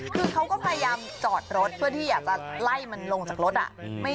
คือเขาก็พยายามจอดรถเพื่อที่อยากจะไล่มันลงจากรถ